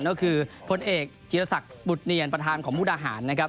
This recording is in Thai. ก็คือพลเอกจิตศักดิ์บุตเนียนประธานของมุทธหาร